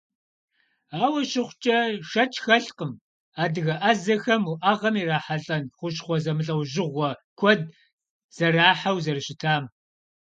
Ауэ щыхъукӏэ, шэч хэлъкъым адыгэ ӏэзэхэм уӏэгъэм ирахьэлӏэн хущхъуэ зэмылӏэужьыгъуэ куэд зэрахьэу зэрыщытам.